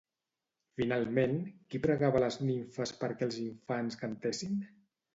Finalment, qui pregava a les nimfes perquè els infants cantessin?